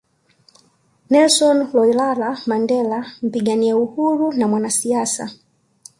Nelson Rolihlahla Mandela mpigania uhuru na mwanasiasa